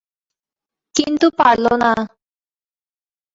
কিন্তু পারল না।